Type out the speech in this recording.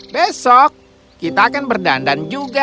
besok kita akan berdandan juga